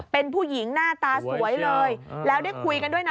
เป็นผู้หญิงหน้าตาสวยเลยแล้วได้คุยกันด้วยนะ